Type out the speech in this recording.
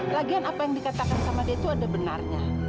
lagian apa yang dikatakan sama dia itu ada benarnya